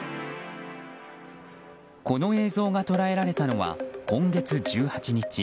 この映像が捉えられたのは今月１８日